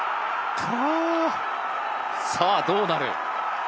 さあ、どうなる。